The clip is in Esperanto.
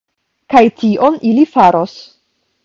Kaj tion ili faros.